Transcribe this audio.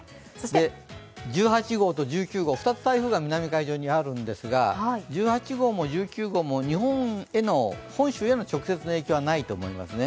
１８号と１９号、２つ台風が南海上にあるんですが、１８号も１９号も本州への直接の影響はないと思います。